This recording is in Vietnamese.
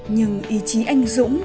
nhưng ý chí anh dũng